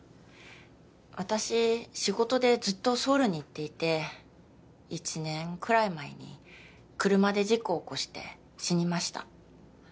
私仕事でずっとソウルに行っていて１年くらい前に車で事故を起こして死にました